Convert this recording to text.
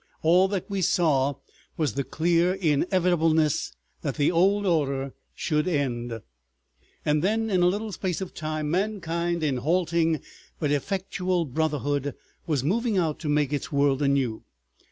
All that we saw was the clear inevitableness that the old order should end. ... And then in a little space of time mankind in halting but effectual brotherhood was moving out to make its world anew.